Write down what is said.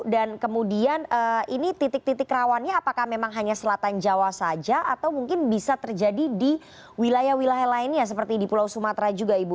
kemudian ini titik titik rawannya apakah memang hanya selatan jawa saja atau mungkin bisa terjadi di wilayah wilayah lainnya seperti di pulau sumatera juga ibu